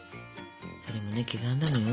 それもね刻んだのよ